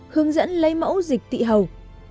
hướng dẫn lấy mẫu dịch thị hầu